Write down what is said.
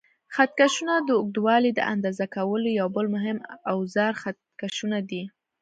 خط کشونه: د اوږدوالي د اندازه کولو یو بل مهم اوزار خط کشونه دي.